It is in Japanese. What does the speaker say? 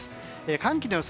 寒気の予想